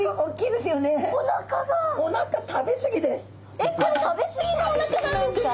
えっこれ食べ過ぎのおなかなんですか？